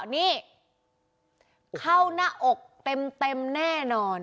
นี่เข้าหน้าอกเต็มแน่นอน